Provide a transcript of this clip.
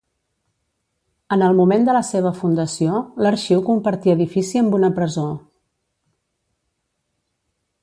En el moment de la seva fundació l'arxiu compartí edifici amb una presó.